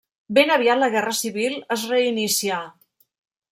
Ben aviat la guerra civil es reinicià.